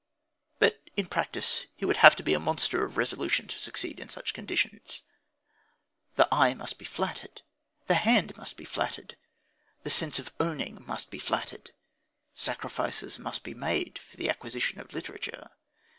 But in practice he would have to be a monster of resolution to succeed in such conditions. The eye must be flattered; the hand must be flattered; the sense of owning must be flattered. Sacrifices must be made for the acquisition of literature.